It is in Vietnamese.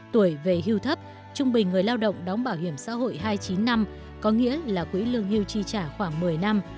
tuổi về hưu thấp trung bình người lao động đóng bảo hiểm xã hội hai mươi chín năm có nghĩa là quỹ lương hưu chi trả khoảng một mươi năm